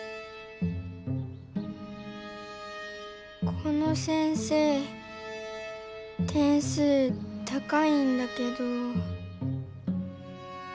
この先生点数高いんだけど。